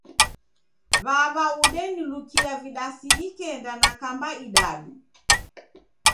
W'aw'a udenilukia vidasi ikenda na kamba idadu.